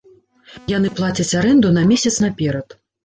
Яны плацяць арэнду на месяц наперад.